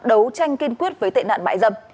đấu tranh kiên quyết với tệ nạn mại dâm